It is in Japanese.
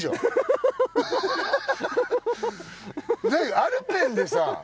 アルペンでさ